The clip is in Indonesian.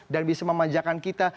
dan bisa memanjakan kita